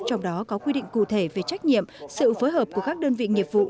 trong đó có quy định cụ thể về trách nhiệm sự phối hợp của các đơn vị nghiệp vụ